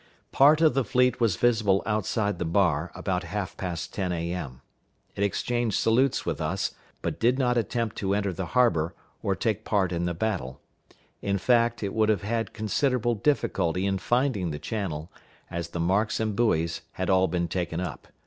Part of the fleet was visible outside the bar about half past ten A.M. It exchanged salutes with us, but did not attempt to enter the harbor, or take part in the battle. In fact, it would have had considerable difficulty in finding the channel, as the marks and buoys had all been taken up.